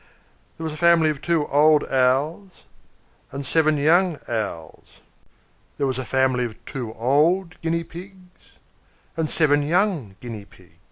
There was a family of two old Owls and seven young Owls. There was a family of two old Guinea Pigs and seven young Guinea Pigs.